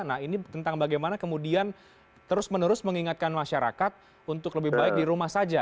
nah ini tentang bagaimana kemudian terus menerus mengingatkan masyarakat untuk lebih baik di rumah saja